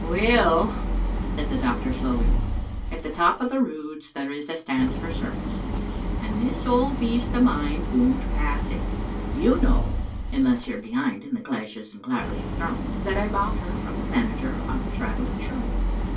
"Well," said the doctor slowly, "at the top of the Roods there is a stance for circuses, and this old beast of mine won't pass it. You know, unless you are be hind in the clashes and clavers of Thrums, that I bought her from the manager of a travelling show.